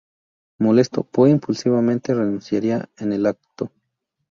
Molesto, Poe impulsivamente renunciaría en el acto.